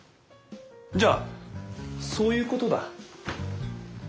じゃあそういうことだ。